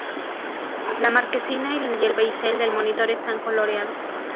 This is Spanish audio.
La marquesina y el bisel del monitor están coloreados.